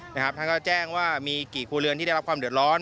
ท่านก็แจ้งว่ามีกี่ครัวเรือนที่ได้รับความเดือดร้อน